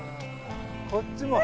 こっちも。